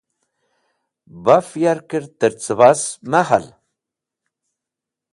Baf yarkẽr tẽrcẽbas me hal.